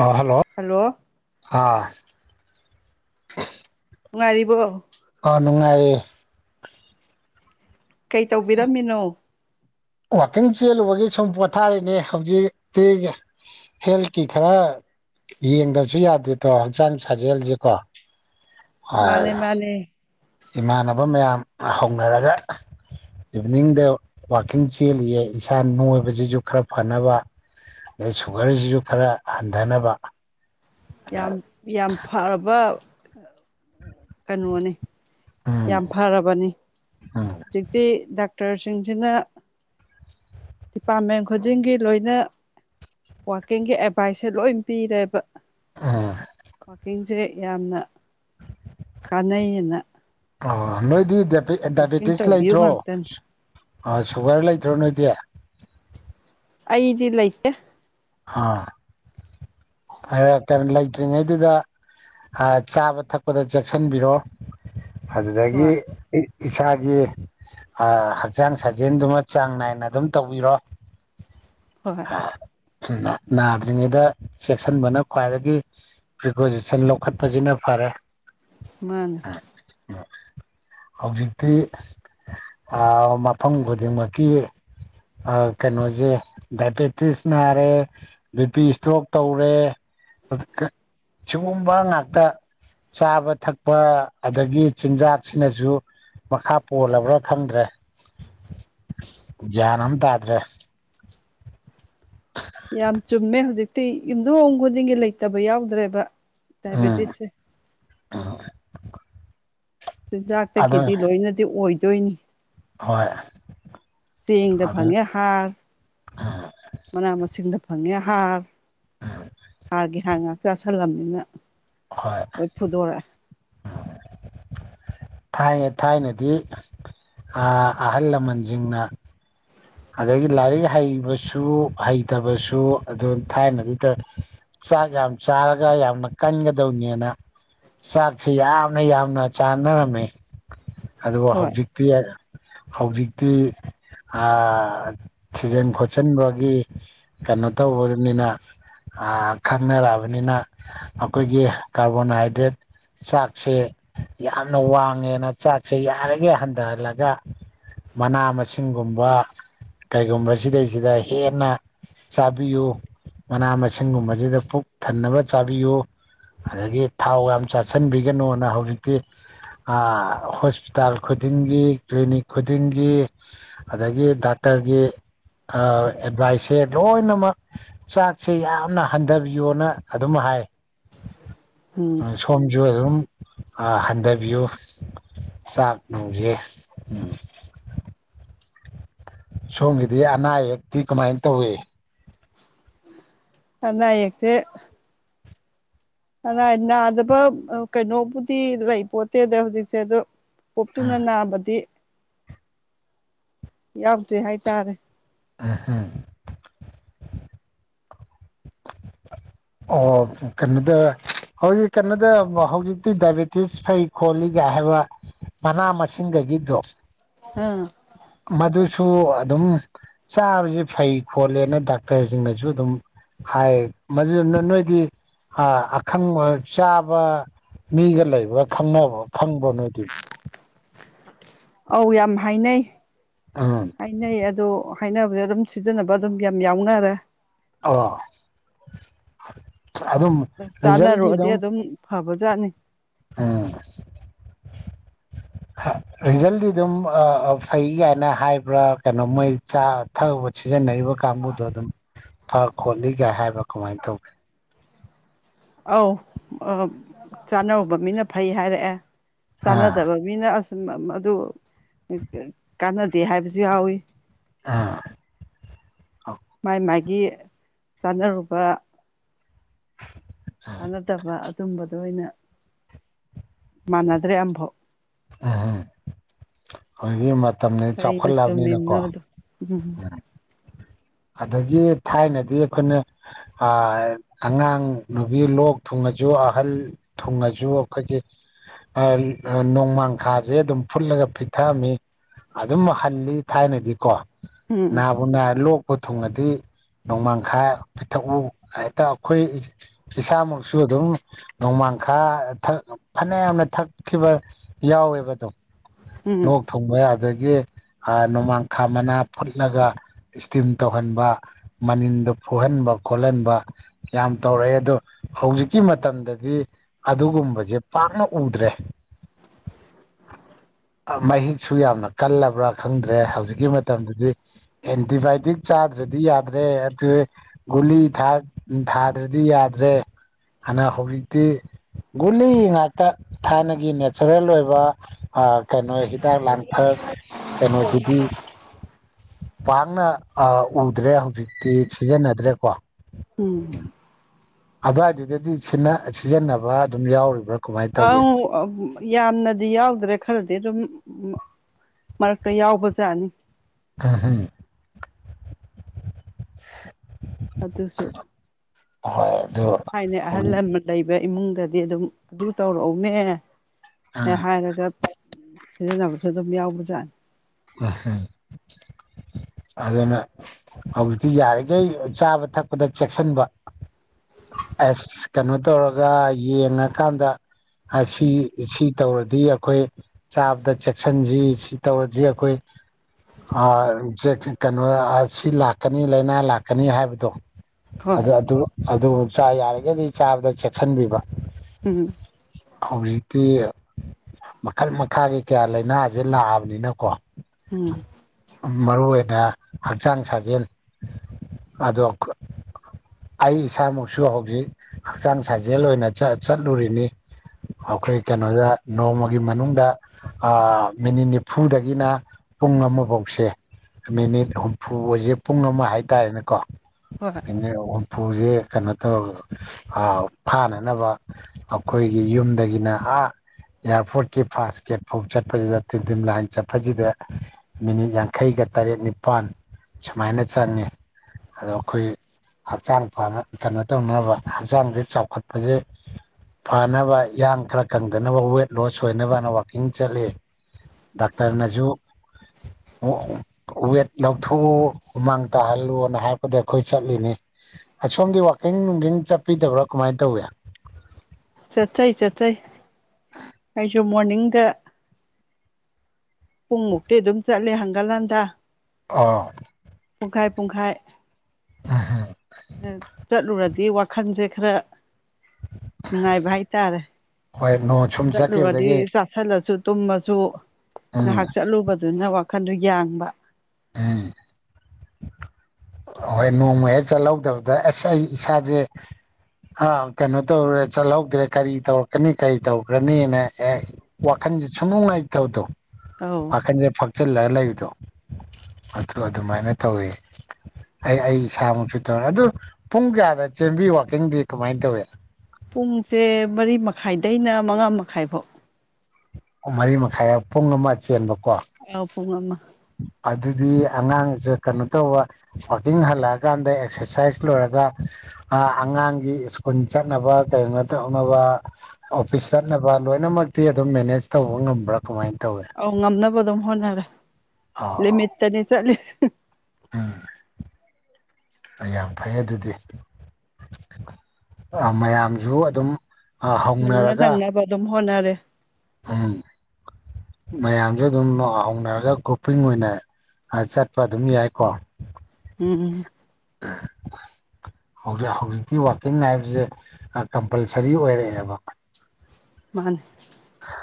ꯑ ꯍꯜꯂꯣ ꯑꯥ ꯉꯥꯏꯔꯤꯕ ꯑ ꯅꯨꯡꯉꯥꯏꯔꯤꯦ ꯀꯩ ꯇꯧꯕꯤꯔꯝꯃꯤꯅꯣ ꯋꯥꯋꯥꯛꯀꯤꯡ ꯆꯦꯜꯂꯨꯕꯒꯤ ꯁꯨꯝ ꯄꯣꯊꯥꯔꯤꯅꯦ ꯍꯧꯖꯤꯛꯇꯤꯒꯤ ꯍꯦꯜꯊꯀꯤ ꯈꯔꯞ ꯌꯦꯡꯗꯕꯁꯨ ꯌꯥꯗꯦꯗꯣ ꯍꯛꯆꯥꯡ ꯁꯥꯖꯦꯜꯁꯀꯣ ꯃꯥꯅꯦ ꯃꯥꯅꯦ ꯏꯃꯥꯟꯅꯕ ꯃꯌꯥꯝꯅ ꯍꯧꯅꯔꯒ ꯏꯚꯤꯅꯤꯡꯗ ꯋꯥꯛꯀꯤꯡ ꯆꯦꯜꯂꯤꯌꯦ ꯏꯁꯥ ꯅꯣꯏꯕꯁꯤꯁꯨ ꯈꯔ ꯐꯅꯕ ꯑꯗꯩ ꯁꯨꯒꯔꯁꯤꯁꯨ ꯈꯔ ꯍꯟꯊꯅꯕ ꯌꯥꯝ ꯌꯥꯝ ꯐꯔꯕ ꯀꯩꯅꯣꯅꯤ ꯎꯝ ꯌꯥꯝ ꯐꯔꯕꯅꯤ ꯎꯝ ꯍꯧꯖꯤꯛꯇꯤ ꯗꯥꯛꯇꯔꯁꯤꯡꯁꯤꯅ ꯗꯤꯄꯥꯔꯠꯃꯦꯟ ꯈꯨꯗꯤꯡꯒꯤ ꯂꯣꯏꯅ ꯀꯤꯡꯒꯤ ꯑꯦꯚꯥꯏꯁꯁꯦ ꯂꯣꯏ ꯄꯤꯔꯦꯕ ꯎꯝ ꯋꯥꯀꯤꯁꯦ ꯌꯥꯝꯅ ꯀꯥꯟꯅꯩꯑꯅ ꯑꯣ ꯅꯣꯏꯗꯤ ꯗꯥꯏꯕꯦꯇꯤꯁ ꯇꯧꯕꯤꯌꯨ ꯂꯩꯇ꯭ꯔꯣ ꯉꯥꯛꯇꯅꯤ ꯑ ꯁꯨꯒꯔ ꯂꯩꯇ꯭ꯔꯣ ꯅꯣꯏꯗꯤ ꯑꯩꯗꯤꯂꯥꯏꯇ ꯑ ꯐꯔ ꯀꯩꯅꯣ ꯂꯩꯇ꯭ꯔꯤꯉꯩꯗꯨꯗ ꯆꯥꯕ ꯊꯛꯄꯗ ꯆꯦꯛꯁꯤꯟꯕꯤꯔꯣ ꯑꯗꯨꯗꯒꯤ ꯍꯣꯏ ꯏꯁꯥꯒꯤ ꯍꯛꯡ ꯁꯥꯖꯦꯟ ꯍꯣꯏ ꯅꯥꯗ꯭ꯔꯤꯉꯩꯗ ꯆꯦꯛꯁꯤꯟꯕꯅ ꯈ꯭ꯋꯥꯏꯗꯒꯤ ꯄ꯭ꯔꯤꯀꯣꯁꯁꯟ ꯂꯧꯈꯠꯄꯁꯤꯅ ꯐ ꯐꯔꯦ ꯃꯥꯅꯦ ꯍꯧꯖꯤꯛꯇꯤ ꯃꯐꯝ ꯈꯨꯗꯤꯡꯃꯛꯀꯤ ꯑ ꯀꯩꯅꯣꯁꯦ ꯗꯗꯥꯏꯕꯦꯇꯤꯁ ꯅꯥꯔꯦ ꯕꯤ ꯄꯤ ꯏꯁꯇ꯭ꯔꯣꯛ ꯇꯧꯔꯦ ꯁꯤꯒꯨꯝꯕ ꯉꯥꯛꯇ ꯆꯥꯕ ꯊꯛꯄ ꯑꯗꯒꯤ ꯆꯤꯟꯖꯥꯛꯁꯤꯅꯁꯨ ꯃꯈꯥ ꯄꯣꯜꯂꯕ꯭ꯔꯥ ꯈꯪꯗ꯭ꯔꯦ ꯒ꯭ꯌꯥꯟ ꯑꯃ ꯇꯥꯗ꯭ꯔꯦ ꯌꯥꯝ ꯆꯨꯝꯃꯦ ꯍꯧꯖꯤꯛꯇꯤ ꯌꯨꯝꯊꯣꯡ ꯍꯣꯡ ꯈꯨꯗꯤꯡꯒꯤ ꯂꯩꯇꯕ ꯌꯥꯎꯗ꯭ꯔꯦꯕ ꯇꯥꯏꯕꯗꯤꯁꯦ ꯑ [unintelligible] [inaudible] ꯆꯤꯟꯖꯥꯛꯇꯒꯤꯗꯤ ꯂꯣꯏꯅꯗꯤ ꯑꯣꯏꯗꯣꯏꯅꯤ ꯍꯣꯏ ꯆꯦꯡꯗ ꯑꯗꯨ ꯐꯪꯉꯦ ꯍꯥꯔ ꯎꯝ ꯃꯅꯥ ꯃꯁꯤꯡꯗ ꯐꯪꯉꯦ ꯍꯥꯔ ꯍꯥꯔꯒꯤ ꯍꯥꯔ ꯉꯥꯏꯍꯥꯛ ꯆꯥꯥꯁꯜꯂꯝꯕꯅꯤꯅ ꯍꯣꯏ ꯂꯣꯏ ꯐꯨꯗꯣꯔꯛꯑꯦ [unintelligible] [inaudible] [inaudible] ꯊꯥꯏꯅ ꯊꯥꯏꯅꯗꯤ ꯑꯍꯜ ꯂꯃꯟꯁꯤꯡꯅ ꯑꯗꯒꯤ ꯂꯥꯏꯔꯤꯛ ꯍꯩꯕꯁꯨ ꯍꯩꯇꯕꯁꯨ ꯑꯗꯨ ꯊꯥꯏꯅꯗꯨꯗ ꯌꯥꯝ ꯆꯥꯔꯒ ꯌꯥꯝꯅ ꯀꯟꯒꯗꯧꯅꯦꯅ ꯁꯥꯤ ꯌꯥꯝ ꯅ ꯌꯥꯝꯅ ꯆꯥꯟꯅꯔꯃꯦ ꯑꯗꯨꯕꯨ ꯍꯣꯏ ꯍꯧꯖꯤꯛꯇꯤ ꯍꯧꯖꯤꯛꯇꯤ ꯊꯤꯖꯤꯟ ꯈꯣꯠꯆꯤꯟꯕꯒꯤ ꯀꯩꯅꯣ ꯇꯧꯕꯅꯤꯅ ꯈꯪꯅꯔꯛꯑꯕꯅꯤꯅ ꯑꯩꯈꯣꯏꯒꯤ ꯀꯥꯔꯕꯣꯅꯍꯥꯏꯗ꯭ꯔꯦꯠ ꯆꯥꯛꯁꯦ ꯌꯥꯝꯅ ꯋꯥꯡꯉꯦꯅ ꯆꯥꯛꯁꯦ ꯌꯥꯔꯒꯦ ꯍꯟꯊꯍꯜꯂꯒ ꯃꯅꯥ ꯃꯁꯤꯡꯒꯨꯝꯕ ꯀꯩꯒꯨꯝ ꯁꯤꯗꯩꯁꯤꯗ ꯍꯦꯟꯅ ꯆꯥꯕꯤꯌꯨ ꯃꯅꯥ ꯃꯁꯤꯡꯒꯨꯝꯕꯁꯤꯗ ꯄꯨꯛ ꯊꯟꯅꯕ ꯆꯥꯕꯤꯌꯨ ꯑꯗꯒꯤ ꯊꯥꯎ ꯌꯥꯝ ꯆꯥꯁꯤꯟꯕꯤꯒꯅꯨꯅ ꯍꯧꯖꯤꯛꯇꯤ ꯍꯣꯁꯄꯤꯇꯥꯜ ꯈꯨꯗꯤꯡꯒꯤ ꯀ꯭ꯂꯤꯅꯤꯛ ꯈꯨꯗꯤꯡꯒꯤ ꯑꯗꯒ ꯛꯇꯔꯒꯤ ꯑꯦꯠꯚꯥꯏꯁꯁꯦ ꯂꯣꯏꯅꯃꯛ ꯆꯥꯛꯁꯦ ꯌꯥꯝꯅ ꯍꯟꯊꯕꯤꯌꯣꯅ ꯑꯗꯨꯝ ꯍꯥꯏ ꯎ [unintelligible] [inaudible] ꯁꯣꯝꯁꯨ ꯑꯗꯨꯝ ꯍꯟꯊꯕꯤꯌꯨ [inaudible] ꯆꯞꯒ ꯎꯝ ꯁꯣꯝꯒꯤꯗꯤ ꯑꯅꯥ ꯑꯌꯦꯛꯛꯇꯤ ꯀꯃꯥꯏꯅ ꯇꯧꯏ ꯑꯅꯥ ꯌꯦꯛꯁꯦ ꯀꯅꯥꯏ ꯅꯥꯗꯕ ꯀꯩꯅꯣꯕꯨꯗꯤ ꯂꯩ ꯄꯣꯟꯇꯦꯗ ꯍꯧꯖꯤꯛꯁꯦ ꯑꯗꯣ ꯄꯣꯞ ꯇꯨꯅ ꯅꯥꯕꯗꯤ ꯌꯥꯎꯗ꯭ꯔꯤ ꯍꯥꯏꯇꯥꯔꯦ ꯑꯍꯝ [unintelligible] [inaudible] ꯑꯣ ꯀꯩꯅꯣꯗ ꯍꯧꯖꯤꯛ ꯀꯩꯅꯣꯗ ꯍꯧꯖꯤꯛꯇꯤ ꯗꯥꯏꯕꯦꯇꯤꯁ ꯐꯩ ꯈꯣꯠꯂꯤꯒ ꯍꯥꯏꯕ ꯃꯅꯥ ꯃꯁꯤꯡꯗꯒꯤꯗꯣ ꯑꯥ ꯁꯨ ꯑꯗꯨꯝ ꯆꯥꯕꯁꯦ ꯐꯩ ꯈꯣꯠꯂꯦꯅ ꯗꯥꯛꯇꯔꯁꯤꯡꯅꯁꯨ ꯑꯗꯨꯝ ꯍꯥꯏ ꯃꯗꯨꯅ ꯅꯣꯏꯗꯤ ꯑꯈꯪꯕ ꯆꯥꯕ ꯃꯤꯒ ꯂꯩꯕ꯭ꯔꯥ ꯈꯪꯅꯕ ꯈꯪꯕꯔ‌ꯣ ꯅꯣꯢꯗꯤ [inaudible] ꯑꯧ ꯌꯥꯝ ꯍꯥꯏꯅꯩ ꯎꯝ -ꯍꯥꯏꯅꯩ ꯑꯗꯣ ꯍꯥꯏꯅꯕꯁꯦ ꯑꯗꯨꯝ ꯁꯤꯖꯤꯟꯅꯕ ꯑꯗꯨꯝ ꯌꯥꯝ ꯌꯥꯎꯅꯔꯦ ꯑꯣ ꯑꯗꯨꯝ ꯔꯤꯖꯜꯗꯤ ꯑꯗꯨꯝ ꯖꯥꯠꯅꯤ ꯎꯝ [inaudible] ꯔꯤꯖꯜꯗꯤ ꯑꯗꯨꯝ ꯐꯩ ꯀꯥꯏꯅ ꯍꯥꯏꯕ꯭ꯔꯥ ꯀꯩꯅꯣ ꯃꯣꯏ ꯆꯥ ꯊꯛ ꯁꯤꯖꯤꯟꯅꯩ ꯀꯥꯡꯕꯨꯗꯣ ꯑꯗꯨꯝ ꯐ ꯈꯣꯠꯂꯤꯒ ꯍꯥꯏꯕ꯭ꯔ ꯀꯃꯥꯏꯅ ꯇꯧꯒꯦ ꯑꯧ ꯆꯥꯅꯧꯕ ꯃꯤꯅ ꯐꯩ ꯍꯥꯏꯔꯛꯑꯦ ꯑꯥ ꯆꯥꯟꯅꯗꯕ ꯃꯤꯅ ꯑꯁ ꯑꯗꯨ ꯀꯥꯟꯅꯗꯦ ꯍꯥꯏꯕꯁꯨ ꯌꯥꯎꯋꯤ ꯑ ꯒꯤ ꯆꯥꯅꯔꯨꯕ ꯆꯥꯅꯗꯕ ꯑꯗꯨꯝꯕꯗꯣ ꯑꯣꯏꯅ ꯃꯥꯟꯅꯗ꯭ꯔꯦ ꯑꯃꯐꯥꯎ ꯑ ꯍꯣ ꯏꯕꯦꯃ ꯃꯇꯝꯖꯦ ꯀꯔꯤꯅ ꯆꯥꯎꯈꯠꯂꯛꯑꯕꯅꯤꯅꯀꯣ ꯆꯨꯝꯃꯤꯕꯅꯣꯗꯣ ꯎꯝ ꯑꯗꯒꯤ ꯊꯥꯏꯅꯗꯤ ꯑꯩꯈꯣꯏꯅ ꯑꯉꯥꯡ ꯅꯨꯕꯤ ꯂꯣꯛ ꯊꯨꯡꯉ ꯖꯨ ꯑꯍꯜ ꯊꯨꯡꯉꯖꯨ ꯑꯩꯈꯣꯏꯒꯤ ꯅꯣꯡꯃꯥꯡꯈꯥꯖꯦ ꯑꯗꯨꯝ ꯐꯨꯠꯂꯒ ꯄꯤꯊꯛꯑꯝꯃꯤ ꯑꯗꯨꯝ ꯍꯜꯂꯤ ꯊꯥꯏꯅꯗꯤꯀꯣ ꯎꯝ ꯅꯥꯕꯨ -ꯅꯥꯔ ꯂꯣꯛꯄꯨ ꯊꯨꯡꯉꯗꯤ ꯅꯣꯡꯃꯥꯡꯈꯥ ꯄꯤꯊꯛꯎ ꯍꯦꯛꯇ ꯑꯩꯈꯣꯏ ꯏꯁꯥꯃꯛꯁꯨ ꯑꯗꯨꯝ ꯅꯣꯡꯃ ꯃꯥꯡꯈꯥ ꯊꯛ ꯐꯅꯌꯥꯝꯅ ꯊꯛꯈꯤꯕ ꯌꯥꯎꯋꯦꯕꯗꯨꯝ ꯎꯝ ꯂꯣꯛ ꯊꯨꯡꯕ ꯑꯗꯒꯤ ꯅꯣꯡꯃꯥꯡꯈꯥ ꯃꯅꯥ ꯐꯨꯠꯂꯒ ꯇꯤꯝ ꯇꯧꯍꯟꯕ ꯃꯅꯤꯟꯗ ꯐꯨꯍꯟꯕ ꯈꯣꯠꯍꯟꯕ ꯌꯥꯝ ꯇꯧꯔꯛꯑꯦ ꯑꯗꯣ ꯍꯧꯖꯤꯛꯀꯤ ꯃꯇꯝꯗꯗꯤ ꯑꯗꯨꯒꯨꯝꯕꯁꯦ ꯄꯥꯛꯅ ꯎꯗ꯭ꯔꯦ [unintelligible] ꯃꯍꯤꯛꯁꯨ ꯌꯥꯝꯅ ꯀꯜꯂꯕ꯭ꯔꯥ ꯈꯪꯗ꯭ꯔꯦ ꯍꯧꯖꯤꯛꯀꯤ ꯃꯇꯝꯗꯗꯤ ꯑꯦꯟꯇꯤꯕꯥꯢ ꯇꯤꯛ ꯆꯥꯗ꯭ꯔꯗꯤ ꯌꯥꯗ꯭ꯔꯦ ꯑꯗꯨ ꯒꯨꯂꯤ ꯊꯥꯗ꯭ꯔꯗꯤ ꯌꯥꯗ꯭ꯔꯦ ꯍꯅ ꯍꯧꯖꯤꯛꯇꯤ ꯒꯨꯂꯤ ꯉꯥꯛꯇ ꯊꯥꯏꯅꯒꯤ ꯅꯦꯆꯔꯦꯜ ꯑꯣꯏꯕ ꯀꯩꯅꯣ ꯍꯤꯗꯥꯛ ꯂꯥꯡꯊꯛ ꯀꯩꯅꯣꯁꯤꯗꯤ ꯄꯥꯛꯅ ꯑ ꯎꯗ꯭ꯔꯦ ꯍꯧꯖꯤꯛꯇꯤ ꯁꯤꯖꯤꯟꯅꯗ꯭ꯔꯦꯀꯣ ꯎꯝ ꯑꯗꯨꯋꯥꯏꯗꯨꯗꯗꯤ ꯁꯤꯖꯤꯟꯅꯕ ꯑꯗꯨꯝ ꯌꯥꯎꯔꯤꯕ꯭ꯔꯥ ꯀꯃꯥꯏꯅ ꯇꯧꯒꯦ ꯑꯪ ꯌꯥꯝꯅꯗꯤ ꯌꯥꯎꯗ꯭ꯔꯦ ꯈꯔꯗꯤ ꯑꯗꯨꯝ ꯃꯔꯛꯇ ꯌꯥꯎꯕꯖꯥꯠꯅꯤ [unintelligible] ꯍꯣꯢ ꯊꯥꯢꯅ ꯑꯍꯜ ꯂꯃꯟ ꯂꯩꯕ ꯏꯃꯨꯡꯗꯗꯤ ꯑꯗꯨꯝ ꯑꯗꯨ ꯇꯧꯔꯛꯎꯅꯦ ꯍ ꯑꯥ ꯍꯥꯏꯔꯒ ꯁꯤꯖꯤꯟꯅꯕꯁꯨ ꯑꯗꯨꯝ ꯌꯥꯎꯕꯖꯥꯠꯅꯤ ꯑ [unintelligible] ꯑꯗꯨꯅ ꯍꯧꯖꯤꯛꯇꯤ ꯌꯥꯔꯤꯈꯩ ꯆꯥꯕ ꯊꯛꯄꯗ ꯆꯦꯛꯁꯤꯟꯕ ꯑꯁ ꯀꯩꯅꯣ ꯇꯧꯔꯒ ꯌꯦꯡꯉꯀꯥꯟꯗ ꯑꯁꯤ ꯁꯤ ꯇꯧꯔꯗꯤ ꯑꯩꯈꯣꯏ ꯆꯥꯕꯗ ꯆꯦꯛꯁꯤꯟꯁꯤ ꯁꯤ ꯇꯧꯔꯗꯤ ꯑꯩꯈꯣꯏ ꯑ ꯆꯦꯛ ꯀꯩꯅꯣ ꯑꯁꯤ ꯂꯥꯛꯀꯅꯤ ꯂꯥꯏꯅꯥ ꯂꯥꯛꯀꯅꯤ ꯍꯥꯏꯕꯗꯣ ꯑ ꯍꯣꯏ ꯑꯗꯨ ꯑꯗꯨꯕꯨ ꯆꯥ ꯌꯥꯔꯤꯒꯗꯤ ꯆꯥꯕꯗ ꯆꯦꯛꯁꯤꯟꯕꯤꯕ ꯎꯝ ꯍꯧꯖꯤꯛꯇꯤ ꯃꯈꯜ ꯃꯈꯥꯒꯤ ꯀꯌꯥ ꯂꯥꯏꯅꯥꯁꯦ ꯂꯥꯛꯑꯕꯅꯤꯅꯀꯣ ꯎꯝ ꯃꯔꯨ ꯑꯣꯏꯅ ꯍꯛꯆꯥꯡ ꯁꯥꯖꯦꯜ ꯑꯗ ꯑꯣꯀ ꯑꯩ ꯏꯁꯥꯃꯛꯁꯨ ꯍꯧꯖꯤꯛ ꯍꯛꯆꯥꯡ ꯁꯥꯖꯦꯜ ꯑꯣꯏꯅ ꯆꯠꯂꯨꯔꯤꯅꯤ ꯑꯩꯈꯣꯏ ꯀꯩꯅꯣꯗ ꯅꯣꯡꯃꯒꯤ ꯃꯅꯨꯡꯗ ꯃꯤꯅꯤꯠ ꯅꯤꯐꯨꯗꯒꯤꯅ ꯄꯨꯡ ꯑꯃꯐꯥꯎꯁꯦ ꯃꯤꯅꯤꯠ ꯍꯨꯝꯐꯨꯁꯦ ꯄꯨꯡ ꯑꯃ ꯍꯥꯏꯇꯥꯔꯦꯅꯦꯀꯣ ꯍꯣꯏ [inaudible] ꯎꯐꯨꯁꯦ ꯀꯩꯅꯣ ꯇꯧꯔꯒ ꯐꯥꯅꯅꯕ ꯑꯩꯈꯣꯏꯒꯤ ꯌꯨꯝꯗꯒꯤꯅ ꯑ ꯏꯌꯥꯔꯄꯣꯔꯠꯀꯤ ꯐꯥꯁ ꯒꯦꯠ ꯐꯥꯎ ꯆꯠꯄꯁꯤꯗ ꯇꯤꯟ ꯇꯤꯟ ꯂꯥꯏꯟ ꯆꯠꯄꯁꯤꯗ ꯃꯤꯅꯤꯠ ꯌꯥꯡꯈꯩꯒ ꯇꯔꯦꯠ ꯅꯤꯄꯥꯜ ꯁꯨꯃꯥꯏꯅ ꯆꯪꯉꯤ ꯑꯗꯣ ꯑꯩꯈꯣꯏ ꯍꯛꯆꯥꯡ ꯐꯅ ꯀꯩꯅꯣ ꯇꯧꯅꯕ ꯍꯛꯆꯥꯡꯁ ꯆꯥꯎꯈꯠꯄꯁꯦ ꯐꯅꯕ ꯏꯌꯥꯡ ꯈꯔ ꯀꯪꯗꯅꯕ ꯋꯦꯠ ꯂꯣꯁ ꯑꯣꯏꯅꯕꯅ ꯋꯥꯛꯀꯤꯡ ꯆꯠꯂꯤ ꯗꯥꯛꯇꯔꯅꯁꯨꯨ [inaudible] ꯑꯣ ꯋꯦꯠ ꯂꯧꯊꯣꯛꯎ ꯍꯨꯃꯥꯡ ꯇꯥꯍꯜꯂꯨꯅ ꯍꯥꯏꯔꯛꯄꯗ ꯑꯩꯈꯣꯏ ꯆꯠꯂꯤꯅꯤ ꯑꯁꯣꯝꯒꯤ ꯋꯥꯈꯩ ꯏꯤꯟ ꯅꯨꯡꯊꯡ ꯆꯠꯄꯤꯗꯕ꯭ꯔꯥ ꯀꯃꯥꯏꯅ ꯇꯧꯋꯤ ꯆꯠꯆꯩ ꯆꯠꯆꯩ ꯑꯩꯁꯨ ꯃꯣꯔꯅꯤꯡꯗ ꯄꯨꯡꯃꯨꯛꯇꯤ ꯑꯗꯨꯝ ꯆꯠꯂꯦ ꯍꯪꯒꯥ ꯂꯥꯟꯗ ꯑꯥ ꯄꯨꯡꯈꯥꯏ ꯄꯨꯡꯈꯥꯏ ꯆꯠꯂꯨꯔꯗꯤ ꯋꯥꯈꯜꯁꯦ ꯈꯔ ꯅꯨꯡꯉꯥꯏꯕ ꯍꯥꯏꯇꯥꯔꯦ ꯍꯣꯏ ꯅꯣꯡ ꯁꯨꯝ ꯆꯂ ꯆꯠꯈꯤꯕꯗꯒꯤ ꯋꯥꯔꯤꯗꯤ ꯆꯁꯥꯏꯂꯁꯨ ꯇꯨꯝꯃꯁꯨ ꯎꯝ ꯉꯥꯏꯍꯥꯛ ꯆꯠꯂꯨꯕꯗꯨꯅ ꯋꯥꯈꯟꯗꯨ ꯌꯥꯡꯕ ꯎꯝ ꯍꯣꯏ ꯅꯣꯡꯃ ꯍꯦꯛ ꯆꯠꯍꯧꯗꯕꯗ ꯑꯁ ꯑꯩ ꯏꯁꯥꯁꯦ ꯀꯩꯅꯣ ꯇꯧꯦ ꯆꯠꯍꯧꯗ꯭ꯔꯦ ꯀꯔꯤ ꯇꯧꯔꯛꯀꯅꯤ ꯀꯔꯤ ꯇꯧꯈ꯭ꯔꯅꯤꯅ ꯋꯥꯈꯜ ꯋꯥꯈꯟꯁꯦ ꯁꯨꯃꯅꯨꯡꯉꯥꯏꯇꯧꯗꯣ ꯑꯧ ꯋꯥꯈꯟꯁꯦ ꯐꯛꯆꯤꯜꯂꯒ ꯂꯩꯕꯗꯣ ꯑꯗꯨ ꯑꯗꯨꯃꯥꯏꯅ ꯇꯧꯋꯤ ꯑꯩ ꯑꯩ ꯏꯁꯥꯃꯨꯁꯨ ꯇꯧꯔꯦ ꯑꯗꯨ ꯄꯨꯡ ꯀꯌꯥꯗ ꯆꯦꯟꯕꯤ ꯋꯥꯋꯥꯛꯀꯤꯡꯗꯤ ꯀꯃꯥꯏꯅ ꯇꯧꯏꯤ ꯄꯨꯡꯁꯦ ꯃꯔꯤ ꯃꯈꯥꯏꯗꯩꯅ ꯃꯉꯥ ꯃꯈꯥꯏ ꯐꯥꯎ ꯃꯔꯤ ꯃꯈꯥꯏ ꯄꯨꯡ ꯑꯃ ꯆꯦꯟꯕ ꯑ ꯄꯨꯡ ꯑꯃ ꯗꯤ ꯑꯉꯥꯡꯁꯦ ꯀꯩꯅꯣ ꯇꯧꯕ ꯋꯥꯋꯀꯤꯡ ꯍꯜꯂꯛꯑꯀꯥꯟꯗ ꯑꯦꯛꯁꯔꯁꯥꯏꯁ ꯂꯣꯏꯔꯒ ꯑꯉꯥꯡꯒꯤ ꯁ꯭ꯀꯨꯜ ꯆꯠꯅꯕ ꯀꯩꯅꯩꯅꯣ ꯇꯧꯅꯕ ꯑꯣꯐꯤꯁ ꯆꯠꯅꯕ ꯂꯣꯏꯅꯃꯛꯇꯤ ꯑꯗꯨꯝ ꯃꯦꯅꯦꯖ ꯇꯧꯕ ꯉꯝꯕ꯭ꯔꯥ ꯀꯃꯥꯏꯅ ꯇꯧꯏ ꯑ ꯉꯝꯅꯕ ꯑꯗꯨꯝ ꯍꯣꯅꯔ ꯂꯤ ꯑꯥ ꯂꯤꯃꯤꯠꯇꯅꯤ ꯆꯠꯂꯤꯁ ꯎꯝ ꯌꯥꯝ ꯐꯩ ꯑꯗꯨꯗꯤ ꯃꯌꯥꯝꯁꯨ ꯑꯗꯨꯝ ꯍꯧꯅꯔꯒ ꯍꯅꯔꯦ ꯎꯝ ꯃꯌꯥꯝꯁꯨ ꯑꯗꯨꯝ ꯍꯧꯅꯔꯒ ꯒ꯭ꯔꯣꯄꯤꯡ ꯑꯣꯏꯅ ꯆꯠꯄ ꯑꯗꯨꯝ ꯌꯥꯏꯀꯣ ꯎꯝ [unintelligible] [inaudible] ꯖꯤꯛ ꯍꯧꯖꯤꯛꯇꯤ ꯋꯥꯛꯀꯤꯡ ꯂꯥꯏꯞꯁꯦ ꯀꯝꯄꯜꯁꯔꯤ ꯑꯣꯏꯔꯛꯑꯦꯕ ꯃꯥꯅꯦ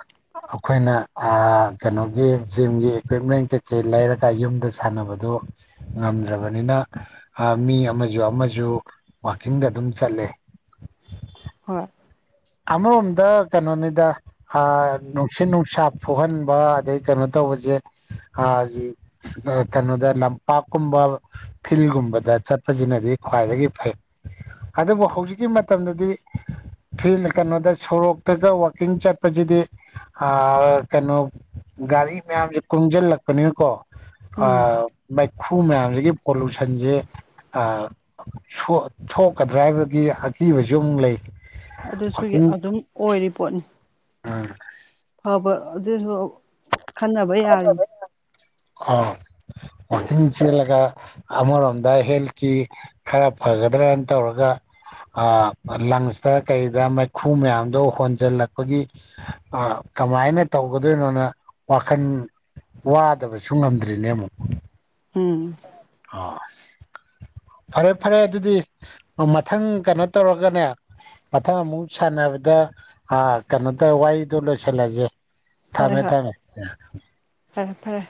[unintelligible] [inaudible] ꯑꯩꯈꯣꯏꯅ ꯀꯩꯅꯣꯒꯤ ꯖꯤꯝꯒꯤ ꯏꯀ꯭ꯋꯤꯞꯃꯦꯟ ꯀꯩꯀꯩ ꯂꯩꯔꯒ ꯌꯨꯝꯗ ꯁꯥꯟꯅꯕꯗꯨ ꯉꯝꯗ꯭ꯔꯕꯅꯤꯅ ꯃꯤ ꯑꯃꯁꯨ ꯑꯃꯁꯨ ꯋꯀꯤꯡꯗ ꯑꯗꯨꯝ ꯆꯠꯂꯦ ꯍꯣꯏ ꯑꯃꯔꯣꯝꯗ ꯀꯩꯅꯣꯅꯤꯗ ꯅꯨꯡꯁꯤꯠ ꯅꯨꯡꯁꯥ ꯐꯨꯍꯟꯕ ꯑꯗꯩ ꯀꯩꯅꯣ ꯇꯧꯕ ꯇꯁꯦ ꯀꯩꯅꯣꯗ ꯂꯝꯄꯥꯛꯀꯨꯝꯕ ꯐꯤꯜꯒꯨꯝꯕꯗ ꯆꯠꯄꯁꯤꯅꯗꯤ ꯈ꯭ꯋꯥꯏꯗꯒꯤ ꯐꯩ ꯑꯗꯨꯕꯨ ꯍꯧꯖꯤꯛꯀꯤ ꯃꯇꯝꯗꯗꯤ ꯐꯤ ꯀꯩꯅꯣꯗ ꯁꯣꯔꯣꯛꯇꯒ ꯋꯥꯋꯥꯛꯀꯤꯡ ꯆꯠꯄꯁꯤꯗꯤ ꯀꯩꯅꯣ ꯒꯥꯔꯤ ꯃꯌꯥꯝꯁꯦ ꯀꯨꯡꯁꯤꯜꯂꯛꯄꯅꯤꯅꯀꯣ ꯎꯝ ꯈꯨ ꯃꯌꯥꯝꯁꯤꯒꯤ ꯄꯣꯂꯨꯁꯟꯁꯦ ꯊꯣꯛꯀꯗ꯭ꯔꯥ ꯍꯥꯏꯕꯒꯤ ꯑꯀꯤꯕꯁꯨ ꯑꯃꯨꯛ ꯂꯩ ꯑꯗꯨꯁꯨꯒꯤ ꯋꯥꯛꯀꯤꯡ ꯑꯗꯨꯝ ꯑꯣꯏꯔꯤ ꯄꯣꯠꯅꯤ ꯐꯕ ꯑꯗꯨꯁꯨ ꯈꯟꯅꯕ ꯌꯥꯔꯤ [unintelligible] [inaudible] ꯋꯥꯋꯥꯛꯀꯤꯡ ꯆꯦꯜꯂꯒ ꯑꯃꯔꯣꯝꯗ ꯍꯦꯜꯠꯀꯤ ꯈꯔ ꯐꯒꯗ꯭ꯔꯅ ꯇꯧꯔꯒ ꯂꯪꯁꯇ ꯀꯩꯗ ꯃꯩꯈꯨ ꯃꯌꯥꯝꯗꯣ ꯍꯣꯟꯖꯜꯂꯛꯄꯒꯤ ꯀꯃꯥꯏꯅ ꯇꯧꯒꯗꯣꯏꯅꯣꯅꯈ ꯋꯥꯟ ꯋꯥꯗꯕꯁꯨ ꯉꯝꯗ꯭ꯔꯤꯅꯦ ꯑꯃꯨꯛ ꯎꯝ ꯑ ꯐꯔꯦ ꯐꯔꯦ ꯑꯗꯨꯗꯤ ꯃꯊꯪ ꯀꯩꯅꯣ ꯇꯧꯔꯒꯅꯦ ꯃꯊꯪ ꯑꯃꯨꯛ ꯁꯥꯟꯅꯕꯗ ꯀꯩꯅꯣ ꯇꯧ ꯍꯏꯗ ꯂꯣꯏꯁꯜꯂꯁꯦ ꯍꯣꯏ ꯊꯝꯃꯦ ꯍꯣꯏ ꯊꯝꯃꯦ ꯐꯔꯦ ꯐꯔꯦ